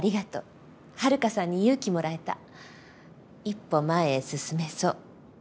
一歩前へ進めそう。